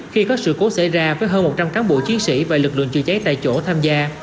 khi có sự cố xảy ra với hơn một trăm linh cán bộ chiến sĩ và lực lượng chữa cháy tại chỗ tham gia